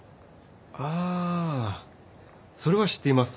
ああそれは知っています。